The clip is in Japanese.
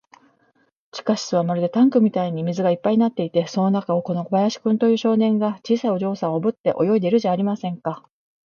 地下室はまるでタンクみたいに水がいっぱいになっていて、その中を、この小林君という少年が、小さいお嬢さんをおぶって泳いでいるじゃありませんか。